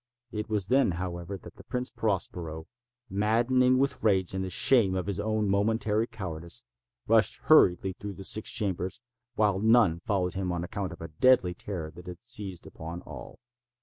It was then, however, that the Prince Prospero, maddening with rage and the shame of his own momentary cowardice, rushed hurriedly through the six chambers, while none followed him on account of a deadly terror that had seized upon all.